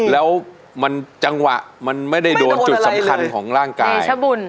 แล้วมันจังหวะมันไม่ได้โดนจุดสำคัญของร่างกาย